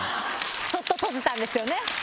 そっと閉じたんですよね。